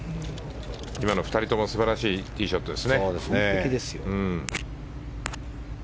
今の２人とも素晴らしいティーショットです。